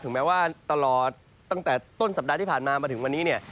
แม้ว่าตลอดตั้งแต่ต้นสัปดาห์ที่ผ่านมามาถึงวันนี้เนี่ย